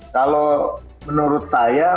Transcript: kalau menurut saya